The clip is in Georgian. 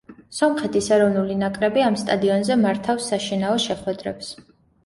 სომხეთის ეროვნული ნაკრები ამ სტადიონზე მართავს საშინაო შეხვედრებს.